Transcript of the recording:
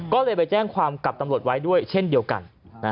ก็เลยไปแจ้งความกับตำรวจไว้ด้วยเช่นเดียวกัน